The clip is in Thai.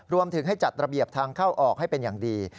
รวมถึงให้จัดระเบียบทางเข้าออกให้เป็นอย่างดี